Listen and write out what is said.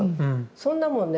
そんなもんね